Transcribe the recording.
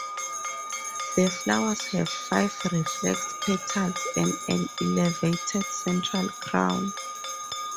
The flowers have five reflexed petals and an elevated central crown.